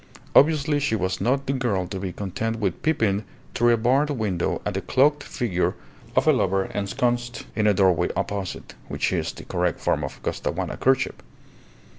Obviously she was not the girl to be content with peeping through a barred window at a cloaked figure of a lover ensconced in a doorway opposite which is the correct form of Costaguana courtship.